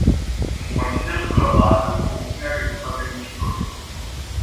Consider că, astfel, vom obține rezultate în viitor.